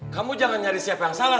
kamu jangan nyari siapa yang salah